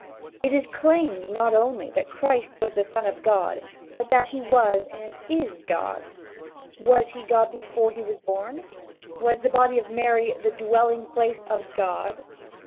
It is claimed not only that Christ was the Son of God, but that he was, and is, God. Was he God before he was born? Was the body of Mary the dwelling place of God?